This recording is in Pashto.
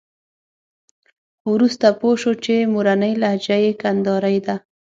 خو وروسته پوه شو چې مورنۍ لهجه یې کندارۍ ده.